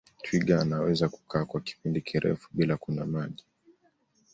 twiga anaweza kukaa kwa kipindi kirefu bila kunywa maji